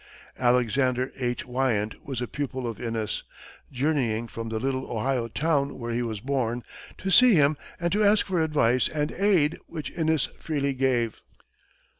Alexander H. Wyant was a pupil of Inness, journeying from the little Ohio town where he was born to see him and to ask for advice and aid, which Inness freely gave.